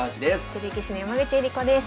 女流棋士の山口恵梨子です。